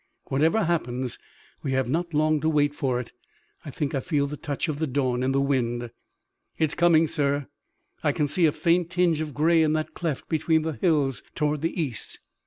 Whatever happens, we have not long to wait for it. I think I feel the touch of the dawn in the wind." "It's coming, sir. I can see a faint tinge of gray in that cleft between the hills toward the east."